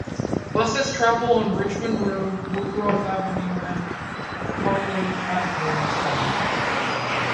Buses travel on Richmond Road, Woodroffe Avenue and Carling Avenue instead.